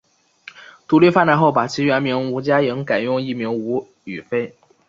独立发展后把其原名吴家颖改用艺名吴雨霏。